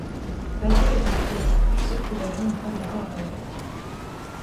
Balto est inquiet du fait que l'avion n'est pas encore arrivé.